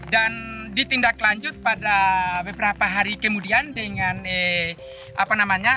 dan ditindak lanjut pada beberapa hari kemudian dengan